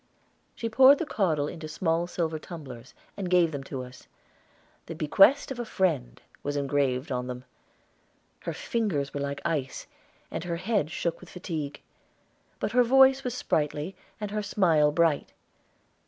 She poured the caudle into small silver tumblers, and gave them to us. "The Bequest of a Friend" was engraved on them. Her fingers were like ice, and her head shook with fatigue; but her voice was sprightly and her smile bright.